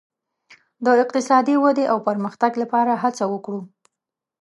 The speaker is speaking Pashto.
د اقتصادي ودې او پرمختګ لپاره هڅه وکړو.